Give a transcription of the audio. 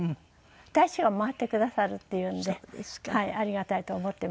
大使館回ってくださるっていうんでありがたいと思ってます。